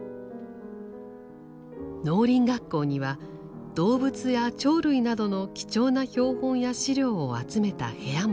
農林学校には動物や鳥類などの貴重な標本や資料を集めた部屋もありました。